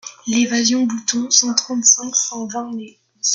L’évasion Bouton cent trente-cinq cent vingt et un.